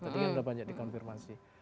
tadi kan sudah banyak dikonfirmasi